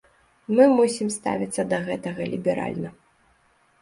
Мы мусім ставіцца да гэтага ліберальна.